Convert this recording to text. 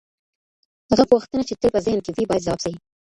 هغه پوښتنه چي تل په ذهن کي وي، بايد ځواب سي.